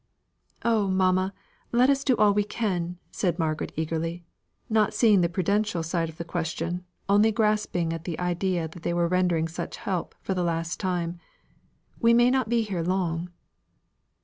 "Oh, mamma, let us do all we can," said Margaret eagerly, not seeing the prudential side of the question, only grasping at the idea that they were rendering such help for the last time; "we may not be here long."